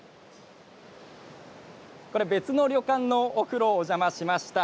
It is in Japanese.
これは別の旅館のお風呂をお邪魔しました。